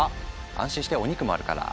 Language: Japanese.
安心してお肉もあるから。